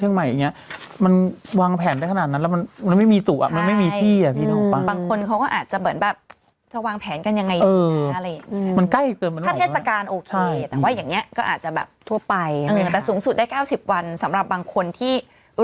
ก็เลยนั่นแหละแล้วจะต้องชี้แจงแบบชาเจ๋งนิดนึงไง